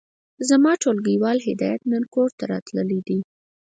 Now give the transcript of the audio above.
زما ټولګيوال هدايت نن کورته تللی دی.